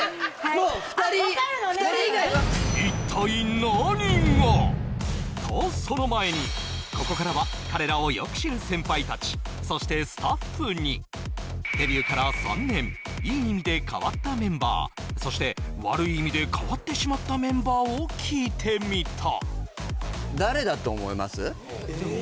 もう２人２人以外はあっ分かるのねとその前にここからは彼らをよく知る先輩たちそしてスタッフにデビューから３年いい意味で変わったメンバーそして悪い意味で変わってしまったメンバーを聞いてみたえ